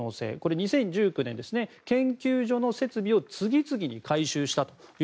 ２０１９年、研究所の設備を次々に改修したと。